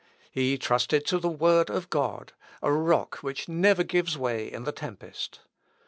He trusted to the word of God a rock which never gives way in the tempest.